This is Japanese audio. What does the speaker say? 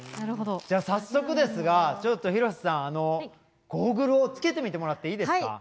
早速ですが、ちょっと広瀬さんゴーグルを着けてみてもらっていいですか。